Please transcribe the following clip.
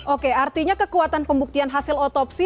oke artinya kekuatan pembuktian hasil otopsi